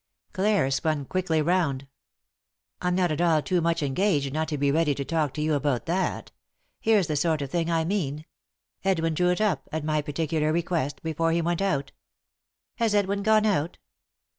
Clare spun quickly round. " I'm not at all too much engaged not to be ready to talk to you about that. Here's the sort of thing I mean — Edwin drew it up, at my particular request, before he went out," " Has Edwin gone out